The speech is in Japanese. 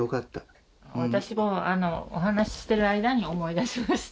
私もお話ししてる間に思い出しました。